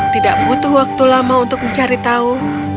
tidak butuh waktu lama untuk mencari tahu